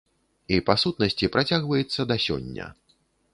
І, па сутнасці, працягваецца да сёння.